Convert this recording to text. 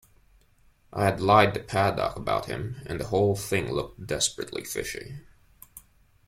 I had lied to Paddock about him, and the whole thing looked desperately fishy.